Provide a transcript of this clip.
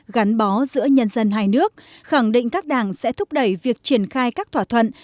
gắn bó giữa nhân dân hai nước khẳng định các đảng sẽ thúc đẩy việc triển khai các thỏa thuận